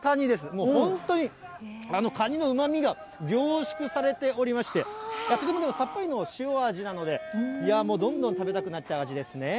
もう本当にカニのうまみが凝縮されておりまして、とても、でもさっぱりの塩味なので、どんどん食べたくなっちゃう味ですね。